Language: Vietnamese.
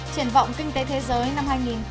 triển vọng kinh tế thế giới năm hai nghìn một mươi bảy